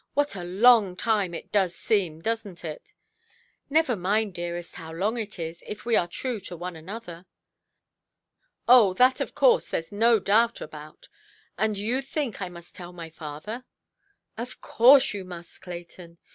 What a long time it does seem! Doesnʼt it"? "Never mind, dearest, how long it is, if we are true to one another". "Oh, that of course thereʼs no doubt about. And you think I must tell my father"? "Of course you must, Clayton.